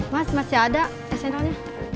mas masih ada snl nya